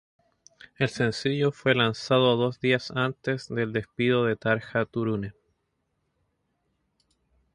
El sencillo fue lanzado dos días antes del despido de Tarja Turunen.